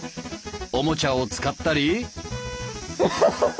おもちゃを使ったり。